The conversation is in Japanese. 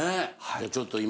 じゃちょっと今。